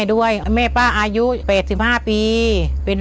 คนที่สองชื่อน้องก็เอาหลานมาให้ป้าวันเลี้ยงสองคน